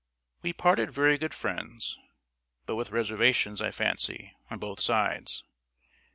We parted very good friends, but with reservations, I fancy, on both sides.